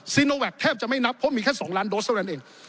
โนแวคแทบจะไม่นับเพราะมีแค่๒ล้านโดสเท่านั้นเอง